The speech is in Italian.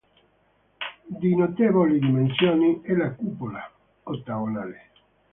Di notevoli dimensioni è la cupola, ottagonale.